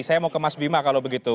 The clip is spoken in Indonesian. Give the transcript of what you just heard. saya mau ke mas bima kalau begitu